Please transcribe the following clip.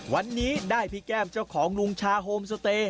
วันนี้ได้พี่แก้มเจ้าของลุงชาโฮมสเตย์